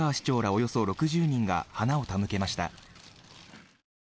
およそ６０人が花を手向けました。